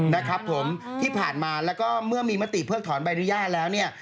นะครับผมที่ผ่านมาแล้วก็เมื่อมีมติเพิกถอนใบอนุญาตแล้วเนี่ย